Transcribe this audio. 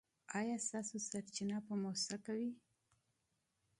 ایا ستاسو سرچینه به موثقه وي؟